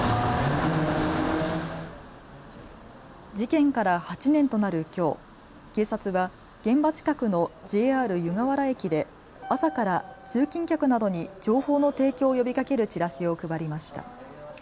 事件から８年となるきょう、警察は現場近くのＪＲ湯河原駅で朝から通勤客などに情報の提供を呼びかけるチラシを配りました。